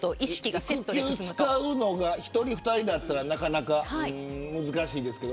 育休を使うのが１人２人だとなかなか難しいですけど。